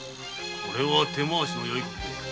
これは手回しのよいことで。